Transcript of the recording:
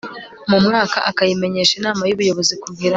mu mwaka akayimenyesha inama y ubuyobozi kugira